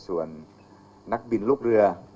ส่วนนักบินลูกเรือ